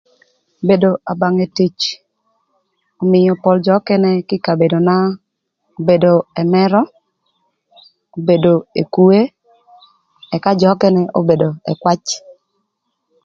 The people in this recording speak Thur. Bedo abangë tic ömïö pol jö nökënë kï kabedona obedo ëmërö, obedo ekwoe, ëka jö ökënë obedo ëkwac.